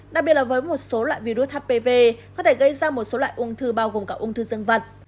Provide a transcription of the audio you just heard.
đặc biệt là với một số loại virus hpv có thể gây ra một số loại ung thư bao gồm cả ung thư dân vật